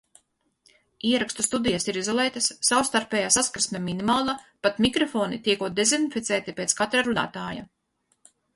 Ierakstu studijas ir izolētas, savstarpējā saskarsme minimāla, pat mikrofoni tiekot dezinficēti pēc katra runātāja.